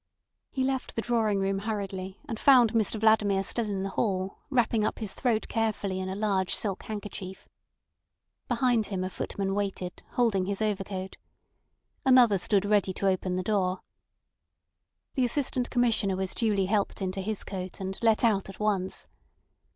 He left the drawing room hurriedly, and found Mr Vladimir still in the hall, wrapping up his throat carefully in a large silk handkerchief. Behind him a footman waited, holding his overcoat. Another stood ready to open the door. The Assistant Commissioner was duly helped into his coat, and let out at once.